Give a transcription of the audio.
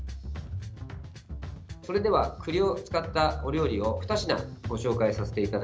それでは、栗を使ったお料理を２品ご紹介させていただきます。